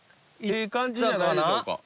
ええ感じじゃないでしょうか？